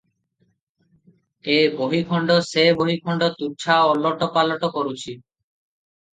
ଏ ବହି ଖଣ୍ଡ ସେ ବହି ଖଣ୍ଡ ତୁଚ୍ଛା ଓଲଟ ପାଲଟ କରୁଛି ।